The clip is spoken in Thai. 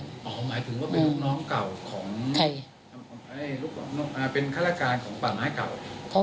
หมายถึงว่าเป็นลูกน้องเก่าของเป็นฆาตการของป่าไม้เก่า